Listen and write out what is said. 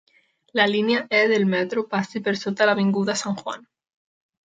La línia E del metro passa per sota l'avinguda San Juan.